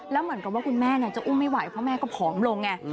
แล้วเหมือนกับว่าคุณแม่จะอุ้มไม่ไหวเพราะแม่ก็ผอมลงไง